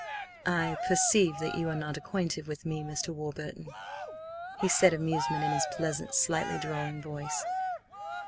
"I perceive that you are not acquainted with me, Mr. Warburton," he said, amusement in his pleasant, slightly drawling voice.